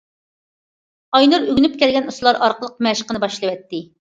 ئاينۇر ئۆگىنىپ كەلگەن ئۇسۇللار ئارقىلىق مەشقىنى باشلىۋەتتى.